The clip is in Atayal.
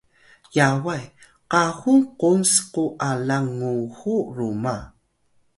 Yaway: kahun kung sku alang Nguhuw Ruma